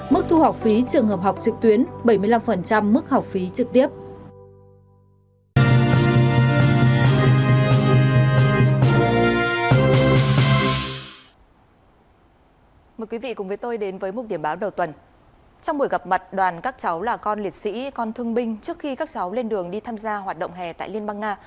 mức thu học phí trường hợp học trực tuyến bảy mươi năm mức học phí trực tiếp